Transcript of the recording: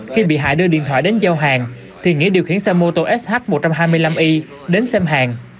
khi bị hại đưa điện thoại đến giao hàng thì nghĩa điều khiển xe moto sh một trăm hai mươi năm i đến xem hàng